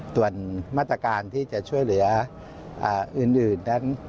ส่วนมาตรการที่จะช่วยเหลืออื่นนั้น